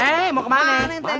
eh mau kemana